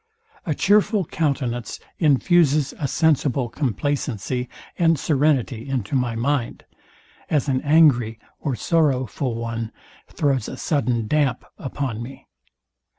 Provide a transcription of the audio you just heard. A chearful countenance infuses a sensible complacency and serenity into my mind; as an angry or sorrowful one throws a sudden dump upon me.